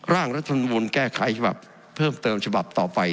ร่างรัฐมนุนแก้ไขฉบับเพิ่มเติมฉบับต่อไป